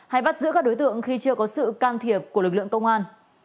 hay bắt giữ các đối tượng khi chưa có sự can thiệp của lực lượng công an